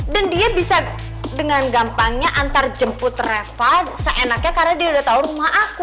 dan dia bisa dengan gampangnya antar jemput reva seenaknya karena dia udah tau rumah aku